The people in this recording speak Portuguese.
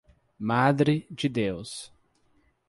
Madre de Deus